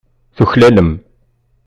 Tuklalem.